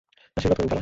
আশীর্বাদ করুন খালা।